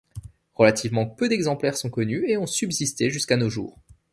Relativement peu d'exemplaires sont connus et ont subsisté jusqu'à nos jours.